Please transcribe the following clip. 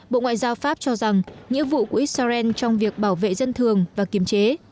bộ ngoại giao pháp cho rằng nhiệm vụ của israel trong việc bảo vệ dân thường và kiểm chế